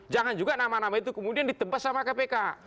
jangan juga nama nama itu kemudian ditebas sama kpk